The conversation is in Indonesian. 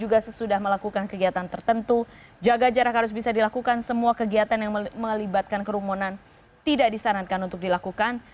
juga sesudah melakukan kegiatan tertentu jaga jarak harus bisa dilakukan semua kegiatan yang melibatkan kerumunan tidak disarankan untuk dilakukan